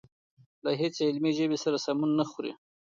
له هېڅ علمي ژبې سره سمون نه خوري.